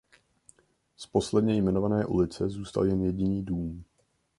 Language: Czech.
Z posledně jmenované ulice zůstal jen jediný dům.